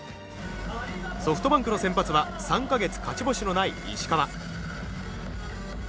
ソフトバンクの先発は３か月勝ち星のない石川。